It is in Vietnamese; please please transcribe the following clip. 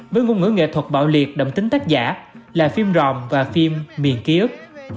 với ngôn ngữ nghệ thuật bạo liệt đậm tính tác giả là phim ròm và phim miền ký ức